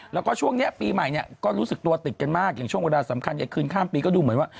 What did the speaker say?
แล้วก็ช่วงนี้ปีใหม่เนี่ยก็รู้สึกตัวติดกันมากอย่างช่วงเวลาสำคัญในคืนข้ามปีก็ดูเหมือนว่า